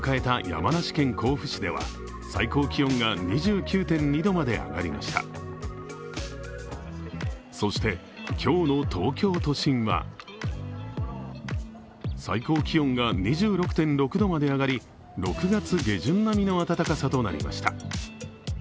山梨県甲府市ではそして、今日の東京都心は最高気温が２６．６度まで上がり、６月下旬並みの暖かさとなりました